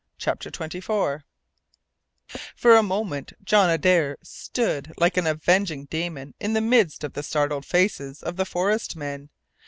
CHAPTER TWENTY FOUR For a moment John Adare stood like an avenging demon in the midst of the startled faces of the forest men.